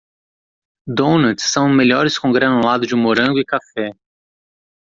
Donuts são melhores com granulado de morango e café.